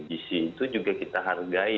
gisi itu juga kita hargai